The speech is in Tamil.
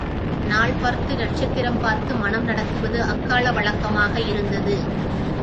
நாள் பார்த்து நட்சத்திரம் பார்த்து மணம் நடத்துவது அக்கால வழக்கமாக இருந்தது.